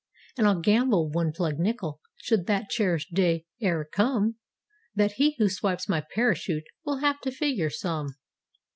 And I'll gamble one plugged nickel, should that cherished day e'er come That he who swipes my "parachute" will have to figure some.